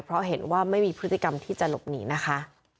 เพราะเห็นว่าไม่มีพฤติกรรมที่จะหลบหนีนะคะ